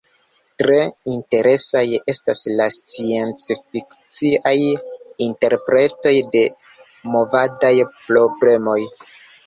Tre interesaj estas la sciencfikciaj interpretoj de movadaj problemoj.